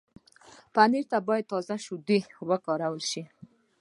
پنېر ته باید تازه شیدې وکارول شي.